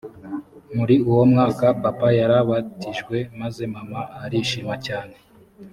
muri uwo mwaka papa yarabatijwe maze mama arishima cyane